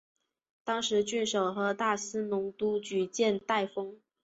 当时郡守和大司农都举荐戴封。